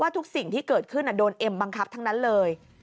ทุกสิ่งที่เกิดขึ้นโดนเอ็มบังคับทั้งนั้นเลย